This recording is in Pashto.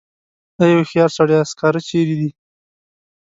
ای هوښیار سړیه سکاره چېرې دي.